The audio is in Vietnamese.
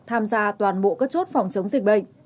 tham gia toàn bộ các chốt phòng chống dịch bệnh